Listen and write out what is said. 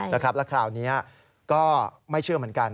แล้วคราวนี้ก็ไม่เชื่อเหมือนกัน